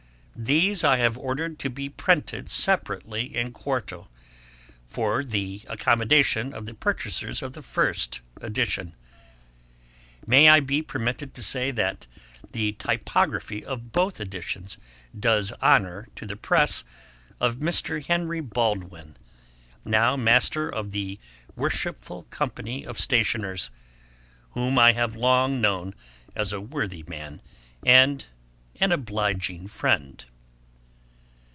These I have ordered to be printed separately in quarto, for the accommodation of the purchasers of the first edition. May I be permitted to say that the typography of both editions does honour to the press of Mr. Henry Baldwin, now Master of the Worshipful Company of Stationers, whom I have long known as a worthy man and an obliging friend.